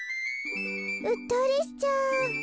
うっとりしちゃう。